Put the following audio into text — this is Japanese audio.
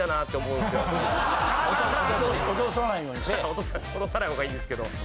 落とさない方がいいんですけど。